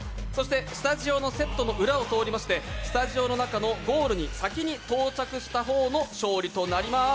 スタジオのセットの裏を通りまして、スタジオの中にゴールに先に到着した方の勝利となります。